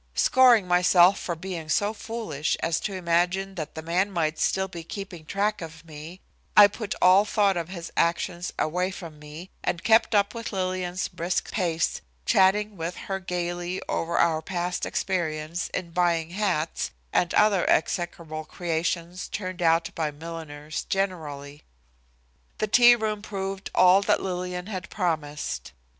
Scoring myself for being so foolish as to imagine that the man might still be keeping track of me, I put all thought of his actions away from me and kept up with Lillian's brisk pace, chatting with her gayly over our past experience in buying hats and the execrable creations turned out by milliners generally. The tea room proved all that Lillian had promised.